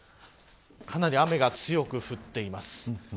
かなり雨が強く降っています。